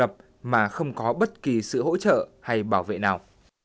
độc lập mà không có bất kì sự hỗ trợ hay bảo vệ nào